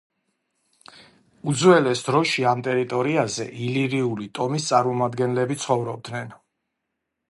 უძველეს დროში ამ ტერიტორიაზე ილირიული ტომის წარმომადგენლები ცხოვრობდნენ.